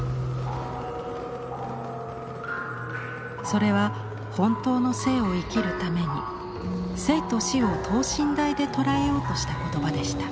それは本当の生を生きるために生と死を等身大で捉えようとした言葉でした。